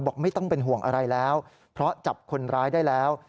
ไม่ต้องเป็นห่วงอะไรแล้วเพราะจับคนร้ายได้แล้ว